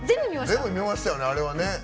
全部見ましたよね、あれは。